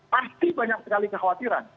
pasti banyak sekali kekhawatiran